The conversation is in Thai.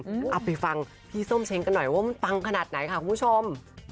เอาไปฟังพี่ส้มเช้งกันหน่อยว่ามันปังขนาดไหนค่ะคุณผู้ชม